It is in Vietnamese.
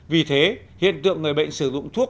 vì thế hiện tượng người bệnh sử dụng thuốc